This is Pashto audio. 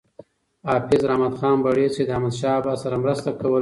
حافظ رحمت خان بړیڅ له احمدشاه بابا سره مرسته کوله.